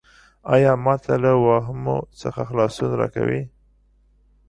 ایا ما ته له واهمو څخه خلاصون راکوې؟